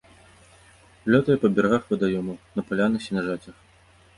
Лётае па берагах вадаёмаў, на палянах, сенажацях.